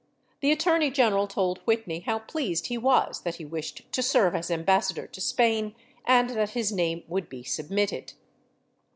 The Attorney General told Whitney how pleased he was that he wished to serve as Ambassador to Spain and that his name would be submitted.